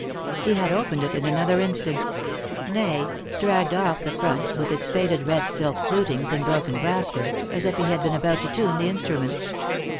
He had opened it in another instant — nay, dragged off the front, with its faded red silk flutings and broken brasswork, as if he had been about to tune the instrument.